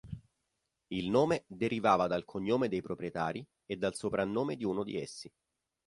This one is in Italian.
Il nome derivava dal cognome dei proprietari e dal soprannome di uno di essi.